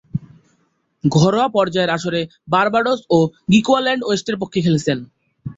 ঘরোয়া পর্যায়ের আসরে বার্বাডোস ও গ্রিকুয়াল্যান্ড ওয়েস্টের পক্ষে খেলেছেন।